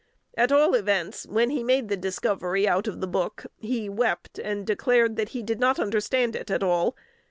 At all events, when he made the discovery out of the book, he wept, and declared that he "did not understand it at all."